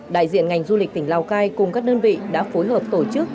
đại diện ngành du lịch tỉnh lào cai cùng các đơn vị đã phối hợp tổ chức